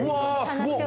すごい。